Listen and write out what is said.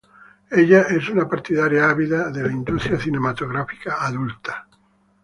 Ella es una partidaria ávida de la industria cinematográfica adulta.